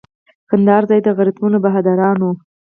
کندهار ځای د غیرتمنو بهادرانو.